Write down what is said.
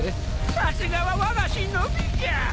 さすがはわが忍びじゃ！